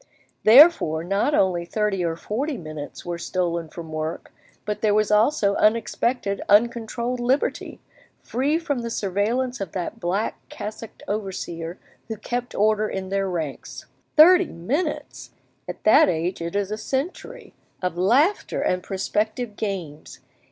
Therefore not only thirty or forty minutes were stolen from work, but there was also unexpected, uncontrolled liberty, free from the surveillance of that black cassocked overseer who kept order in their ranks. Thirty minutes! at that age it is a century, of laughter and prospective games!